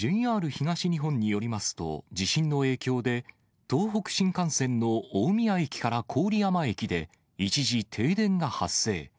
ＪＲ東日本によりますと、地震の影響で、東北新幹線の大宮駅から郡山駅で、一時停電が発生。